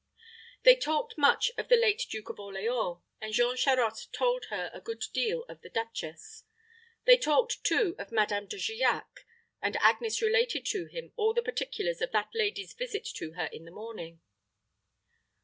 They talked much of the late Duke of Orleans, and Jean Charost told her a good deal of the duchess. They talked, too, of Madame De Giac; and Agnes related to him all the particulars of that lady's visit to her in the morning.